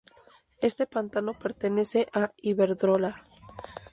Este pantano pertenece a Iberdrola.